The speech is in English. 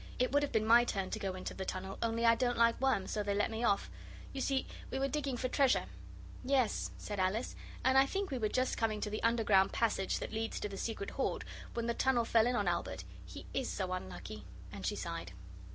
It would have been my turn to go into the tunnel, only I don't like worms, so they let me off. You see we were digging for treasure.' 'Yes,' said Alice, 'and I think we were just coming to the underground passage that leads to the secret hoard, when the tunnel fell in on Albert. He is so unlucky,' and she sighed.